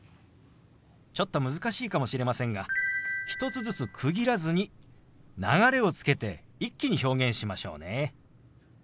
ちょっと難しいかもしれませんが１つずつ区切らずに流れをつけて一気に表現しましょうね。